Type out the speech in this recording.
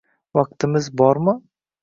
Vaqtimiz bormi?